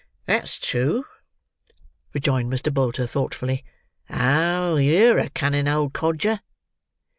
"That's true," rejoined Mr. Bolter, thoughtfully. "Oh! yer a cunning old codger!"